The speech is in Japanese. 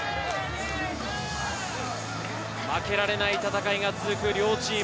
負けられない戦いが続く両チーム。